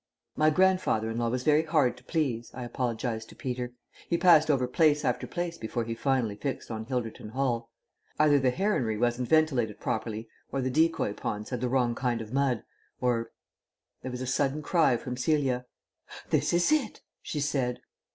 "My grandfather in law was very hard to please," I apologized to Peter. "He passed over place after place before he finally fixed on Hilderton Hall. Either the heronry wasn't ventilated properly, or the decoy ponds had the wrong kind of mud, or " There was a sudden cry from Celia. "This is it," she said.